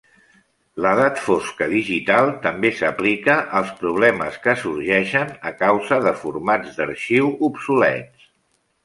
L'Edat Fosca Digital també s'aplica als problemes que sorgeixen a causa de formats d'arxiu obsolets.